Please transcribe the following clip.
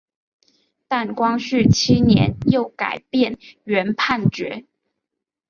但光绪七年又改变原判决。